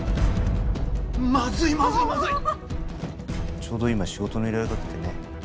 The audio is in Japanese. ちょうど今仕事の依頼が来てね。